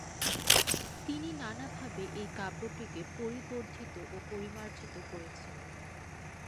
তিনি নানাভাবে এই কাব্যটিকে পরিবর্ধিত ও পরিমার্জিত করেছিলেন।